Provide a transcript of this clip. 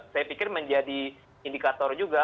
saya pikir menjadi indikator juga